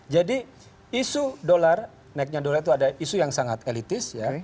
jadi isu dolar naiknya dolar itu ada isu yang sangat elitis